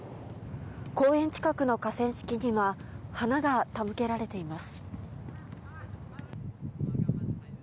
公園近くの河川敷には花が手向けられています。